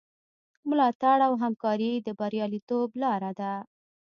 ملاتړ او همکاري د بریالیتوب لاره ده.